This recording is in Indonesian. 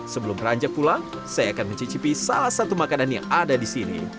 sebelum ranjak pulang saya akan mencicipi salah satu makanan yang ada di sini